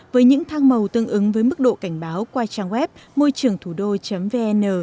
với những thang màu tương ứng với mức độ cảnh báo qua trang web môi trườngthủđô vn